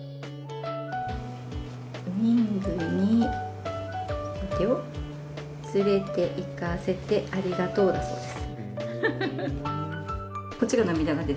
「ウイングにつれていかせてありがとう」だそうです。